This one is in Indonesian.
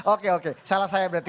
oke oke salah saya berarti